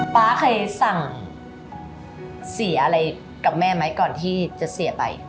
ป๊าเคยสั่งเสียอะไรกับแม่ไหมก่อนที่จะเสียไป